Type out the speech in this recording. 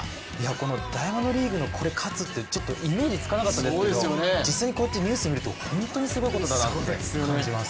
このダイヤモンドリーグのこれ勝つってイメージつかなかったですけど実際にこうやってニュースを見ると本当にすごいことだなと感じます。